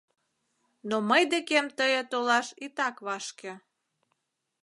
Но мый декем тые толаш итак вашке.